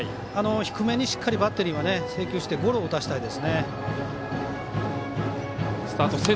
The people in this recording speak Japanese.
低めにしっかりバッテリーは制球してゴロを打たせたいです。